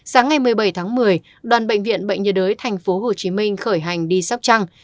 sáng ngày một mươi bảy tháng một mươi đoàn bệnh viện bệnh nhiệt đới tp hcm khởi hành đi sóc trăng